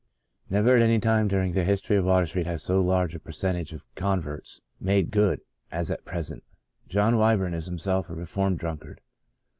Never, at any time during the history of Water Street, has so large a percentage of converts " made good "as at present. John Wyburn is himself a reformed drunkard.